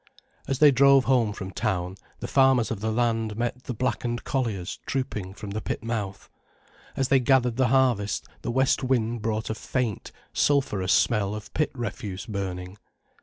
As they drove home from town, the farmers of the land met the blackened colliers trooping from the pit mouth. As they gathered the harvest, the west wind brought a faint, sulphurous smell of pit refuse burning.